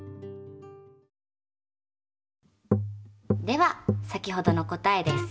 では先ほどの答えです。